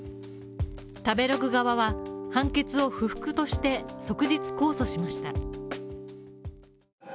食べログ側は、判決を不服として即日控訴しました。